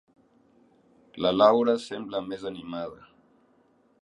La Laura sembla més animada.